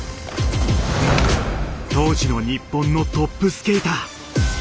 当時の日本のトップスケーター。